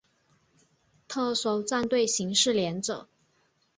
特搜战队刑事连者。